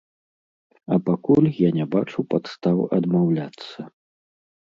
А пакуль я не бачу падстаў адмаўляцца.